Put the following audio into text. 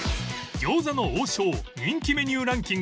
餃子の王将人気メニューランキング